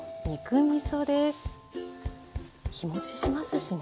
日もちしますしね。